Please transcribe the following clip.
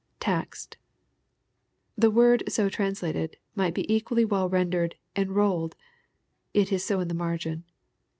[Tboced,] The word so translated, might be equally well rendered enrolled." It is so in the margin.